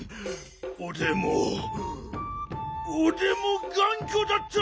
おでもおでもがんこだった！